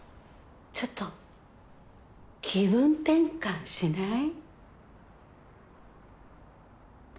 ちょっと気分転換しない？